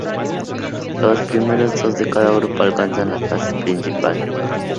Los primeros dos de cada grupo alcanzan la fase principal.